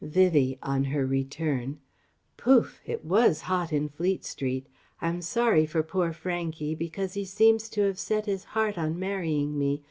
Vivie (on her return): "Pouf! It was hot in Fleet Street! I'm sorry for poor Frankie, because he seems so to have set his heart on marrying me.